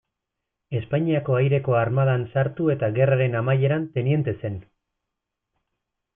Espainiako Aireko Armadan sartu eta gerraren amaieran teniente zen.